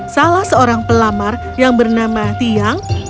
salah seorang pelamar yang bernama tiang